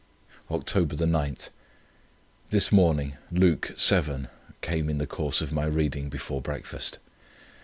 "Oct. 9. This morning Luke vii came in the course of my reading before breakfast.